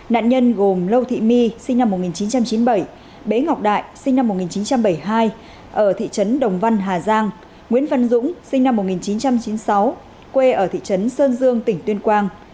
nạn nhân gồm lâu thị my sinh năm một nghìn chín trăm chín mươi bảy bế ngọc đại sinh năm một nghìn chín trăm bảy mươi hai ở thị trấn đồng văn hà giang nguyễn văn dũng sinh năm một nghìn chín trăm chín mươi sáu quê ở thị trấn sơn dương tỉnh tuyên quang